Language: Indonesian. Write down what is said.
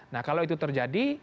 nah kalau itu terjadi